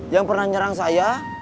yang pernah nyerang saya